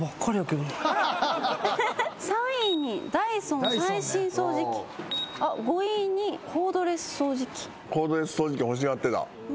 ３位に「ダイソン最新掃除機」５位に「コードレス掃除機」コードレス掃除機欲しがってた。